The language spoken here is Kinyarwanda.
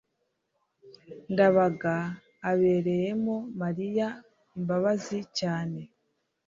ndabaga abereyemo mariya imbabazi cyane